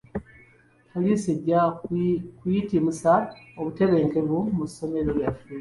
Poliisi ejja kuyitimusa obutebenkevu mu ssomero lyaffe.